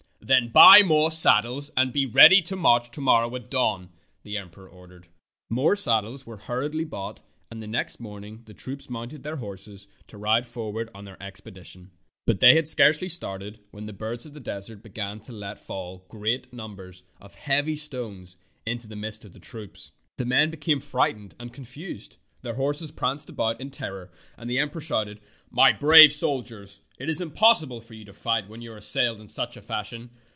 "Then buy more saddles and be ready to march to morrow at dawn," the emperor ordered. More saddles were hurriedly bought, and the next morning the troops mounted their horses to ride forward on their expedition. But they had scarcely started when the birds of the desert began to let fall great numbers of heavy stones into the midst of the troops. The men became frightened and confused, their horses pranced about in terror, and the emperor shouted: "My brave soldiers, it is impossible for you to fight when you are assailed in such a fashion.